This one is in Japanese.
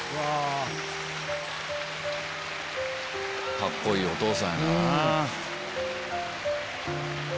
カッコいいお父さんやな。